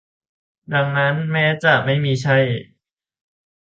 ดังนั้น แม้จะไม่มีไข้